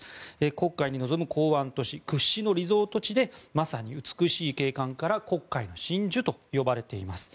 黒海に臨む港湾都市屈指のリゾート地で美しい景観から黒海の真珠と呼ばれています。